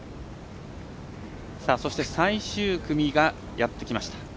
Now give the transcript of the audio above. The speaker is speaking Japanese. そして最終組がやってきました。